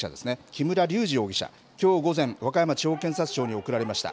木村隆二容疑者、きょう午前、和歌山地方検察庁に送られました。